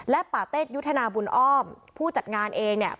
และปาเต็ดยุทธนาบุญอ้อมผู้จัดงานเองเนี่ย